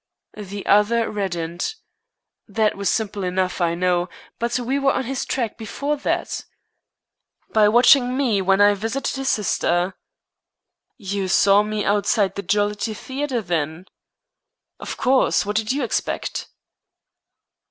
The other reddened. "That was simple enough, I know; but we were on his track before that." "By watching me when I visited his sister." "You saw me outside the Jollity Theatre, then?" "Of course. What did you expect?"